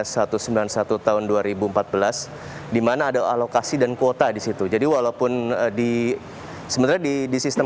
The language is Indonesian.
keterlambatan solar di jatim merupakan persoalan berbeda